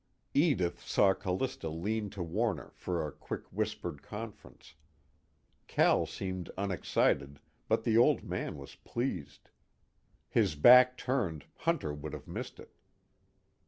Edith saw Callista lean to Warner for a quick whispered conference; Cal seemed unexcited, but the Old Man was pleased. His back turned, Hunter would have missed it.